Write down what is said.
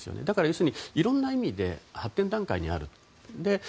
だから、いろんな意味で発展段階にある。